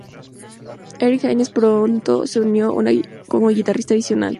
Eric Haines pronto se unió como guitarrista adicional.